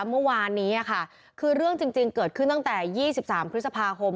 เมื่อวานนี้ค่ะคือเรื่องจริงเกิดขึ้นตั้งแต่๒๓พฤษภาคม